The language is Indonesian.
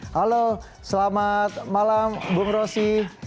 halo selamat malam bung rosi